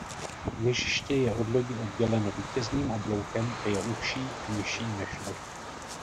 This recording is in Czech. Kněžiště je od lodi odděleno vítězným obloukem a je užší a nižší než loď.